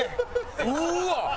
うわ！